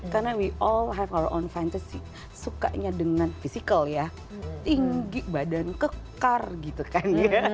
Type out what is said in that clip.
karena we all have our own fantasy sukanya dengan physical ya tinggi badan kekar gitu kan ya